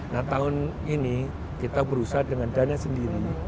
nah tahun ini kita berusaha dengan dana sendiri